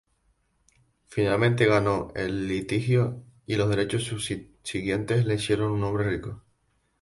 Finalmente ganó el litigio, y los derechos subsiguientes le hicieron un hombre rico.